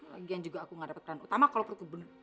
lagian juga aku gak dapat peran utama kalau perkebun